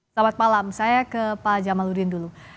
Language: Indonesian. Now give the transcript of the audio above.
selamat malam saya ke pak jamaludin dulu